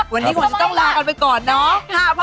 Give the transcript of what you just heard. วันนี้ขวัญจะต้องลากันไปก่อนเนาะ